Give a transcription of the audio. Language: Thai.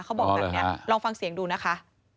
เขาบอกแบบนี้ลองฟังเสียงดูนะคะ